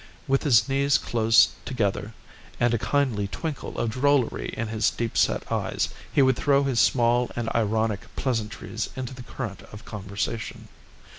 With his knees close together, and a kindly twinkle of drollery in his deep set eyes, he would throw his small and ironic pleasantries into the current of conversation.